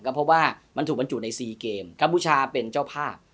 เพราะว่ามันถูกบรรจุใน๔เกมกัมพูชาเป็นเจ้าภาพ